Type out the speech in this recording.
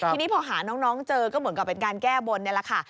ทีนี้พอหาน้องเจอก็เหมือนกับเป็นการแก้บนนี่แหละค่ะ